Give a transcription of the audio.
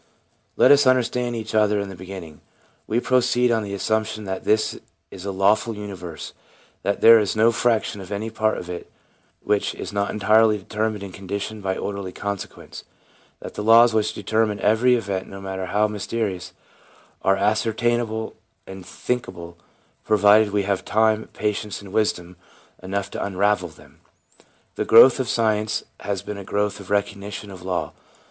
Let us understand each other in the beginning. We proceed on the assumption that this is a lawful universe ; that there is no fraction of any part of it which is not entirely determined and conditioned by orderly sequence ; that the laws which determine every event, no matter how mysterious, are ascertainable and thinkable, provided we have time, patience and wisdom enough to unravel them. The growth of science has been a growth of the recognition of law.